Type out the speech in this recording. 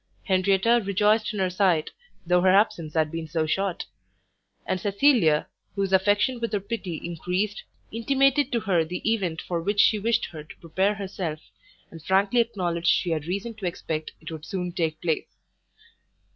Henrietta rejoiced in her sight, though her absence had been so short; and Cecilia, whose affection with her pity increased, intimated to her the event for which she wished her to prepare herself, and frankly acknowledged she had reason to expect it would soon take place.